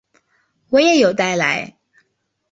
我也有带来